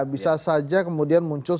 bisa saja kemudian muncul